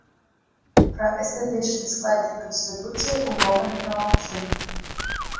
Пра эстэтычны складнік канструкцыі ўвогуле прамаўчым.